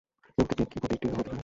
এ উক্তিটি কিবতীটিরও হতে পারে।